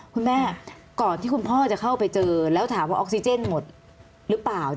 คุณแม่ก่อนที่คุณพ่อจะเข้าไปเจอแล้วถามว่าออกซิเจนหมดหรือเปล่า